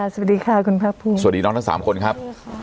สวัสดีค่ะคุณภาคภูมิสวัสดีน้องทั้งสามคนครับ